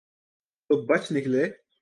تو بچ نکلے۔